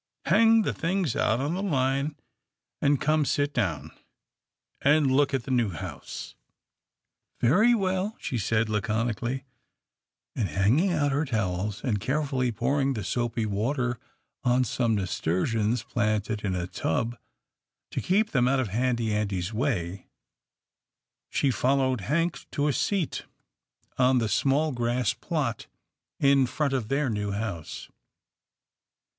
Hang the things out on the line, and come sit down, and look at the new house." 330 'TILDA JANE'S ORPHANS " Very well," she said, laconically, and, hanging out her towels, and carefully pouring the soapy water on some nasturtiums planted in a tub to keep them out of Handy Andy's way, she followed Hank to a seat on the small grass plot in front of their new house.